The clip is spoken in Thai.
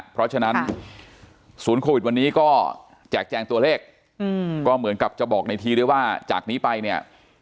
เพราะฉะนั้นศูนย์โควิดวันนี้ก็แจกแจงตัวเลขก็เหมือนกับจะบอกในทีด้วยว่าจากนี้ไปเนี่ย